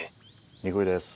憎いです。